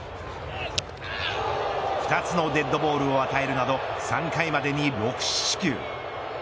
２つのデッドボールを与えるなど３回までに６死球。